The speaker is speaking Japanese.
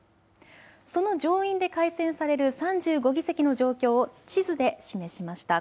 その上院で改選される３５議席の状況を地図で示しました。